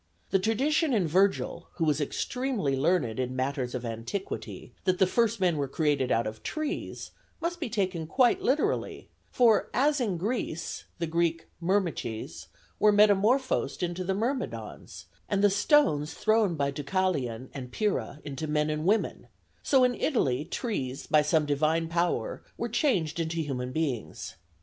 The tradition in Vergil, who was extremely learned in matters of antiquity, that the first men were created out of trees, must be taken quite literally; for as in Greece the [Greek: myrmêches] were metamorphosed into the Myrmidons, and the stones thrown by Deucalion and Pyrrha into men and women, so in Italy trees, by some divine power, were changed into human beings.